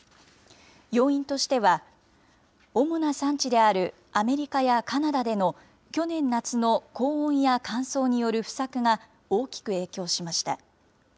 要因としては、主な産地であるアメリカやカナダでの去年夏の高温や乾燥による不作が大きく影響しました。